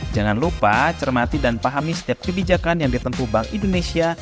jangan lupa cermati dan pahami setiap kebijakan yang ditentu bank indonesia